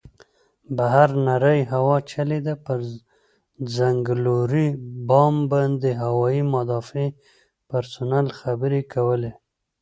بهر نرۍ هوا چلېده، پر څنګلوري بام باندې هوايي مدافع پرسونل خبرې کولې.